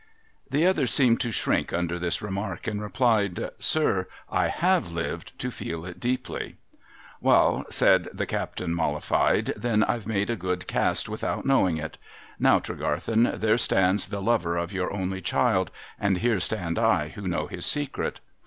The other seemed to shrink under this remark, and replied, ' Sir, I have lived to feel it deeply.' ' Wa'al,' said the captain, mollified, ' then I've made a good cast without knowing it. Now, Tregarthen, there stands the lover of your only child, and here stand I who know his secret.